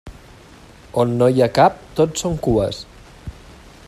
On no hi ha cap, tot són cues.